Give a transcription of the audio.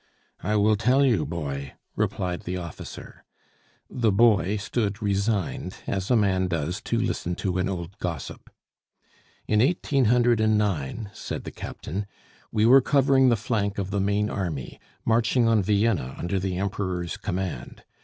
"I will tell you, boy," replied the officer. The "boy" stood resigned, as a man does to listen to an old gossip. "In 1809," said the captain, "we were covering the flank of the main army, marching on Vienna under the Emperor's command.